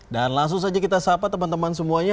dan langsung saja kita sahabat teman teman semuanya